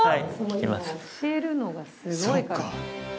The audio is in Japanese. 今教えるのがすごいから。